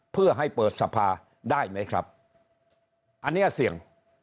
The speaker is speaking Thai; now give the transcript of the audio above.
เพื่อให้เปิดสภาได้ไหมครับอันเนี้ยเสี่ยง